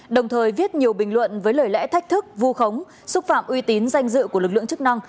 đồng thời viết nhiều bình luận với lời lẽ thách thức vu khống xúc phạm uy tín danh dự của lực lượng chức năng